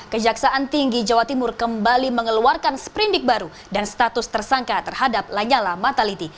kejaksaan tinggi jawa timur kembali mengeluarkan seperindik baru dan status tersangka terhadap lanyala mataliti